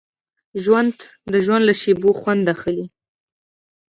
ژوندي د ژوند له شېبو خوند اخلي